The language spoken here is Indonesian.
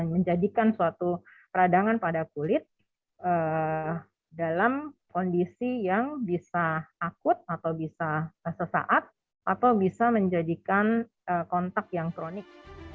menjadikan suatu peradangan pada kulit dalam kondisi yang bisa akut atau bisa sesaat atau bisa menjadikan kontak yang kronik